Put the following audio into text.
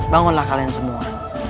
bangunlah kalian semua